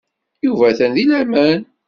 Yuba atan deg laman.